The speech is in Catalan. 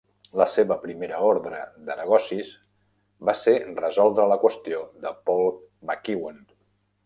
La seva primera ordre de negocis va ser resoldre la qüestió de Paul MacEwan.